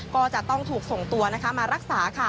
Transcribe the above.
ก็จะต้องถูกส่งตัวมารักษาค่ะ